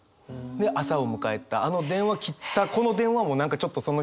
で朝を迎えたあの電話切ったこの電話も何かちょっとその人の声がまだ聞こえる感じ。